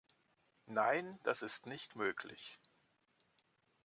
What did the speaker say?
Nein, das ist nicht möglich.